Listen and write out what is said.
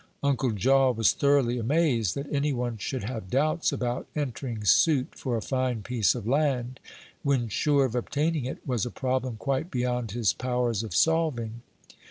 Uncle Jaw was thoroughly amazed; that any one should have doubts about entering suit for a fine piece of land, when sure of obtaining it, was a problem quite beyond his powers of solving.